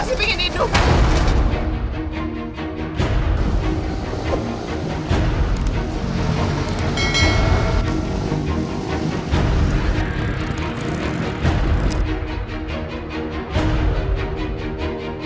kamu pikir kamu bisa selamatin kita